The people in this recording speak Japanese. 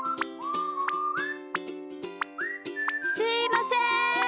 すいません。